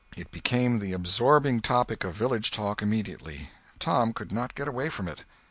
It became the absorbing topic of village talk immediately. Tom could not get away from it.